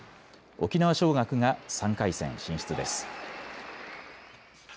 沖縄尚学が３回戦進出です。